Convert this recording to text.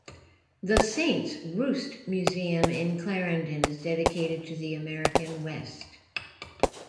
The Saints' Roost Museum in Clarendon is dedicated to the American West.